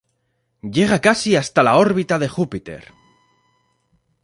Llega casi hasta la órbita de Júpiter.